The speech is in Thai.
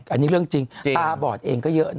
อันนี้เรื่องจริงตาบอดเองก็เยอะนะ